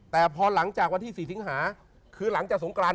แต่พอหลังจากวันที่๔สิงหาคือหลังจากสงกราน